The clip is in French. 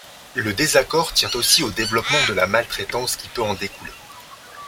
Le désaccord tient aussi au développement de la maltraitance qui peut en découler.